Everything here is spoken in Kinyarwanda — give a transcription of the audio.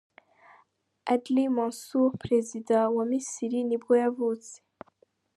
Adly Mansour, perazida wa Misiri nibwo yavutse.